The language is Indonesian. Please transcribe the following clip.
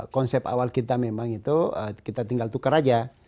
konsep awal kita memang itu kita tinggal tukar aja